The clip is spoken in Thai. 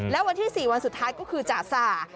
และวันที่๔วันสุดท้ายก็คือจ่าสา